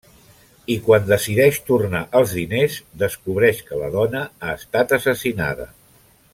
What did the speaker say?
I quan decideix tornar els diners, descobreix que la dona ha estat assassinada.